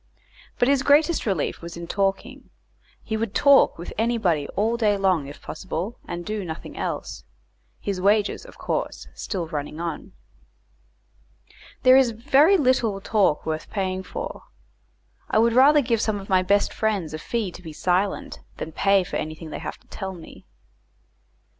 But his greatest relief was in talking; he would talk with anybody all day long if possible, and do nothing else; his wages, of course, still running on. There is very little talk worth paying for. I would rather give some of my best friends a fee to be silent, than pay for anything they have to tell me.